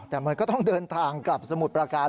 แต่มันก็ต้องเดินทางกลับสมุทรประการ